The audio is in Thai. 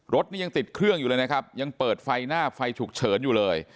รถนี่ยังติดเครื่องอยู่เลยนะครับยังเปิดไฟหน้าไฟฉุกเฉินอยู่เลย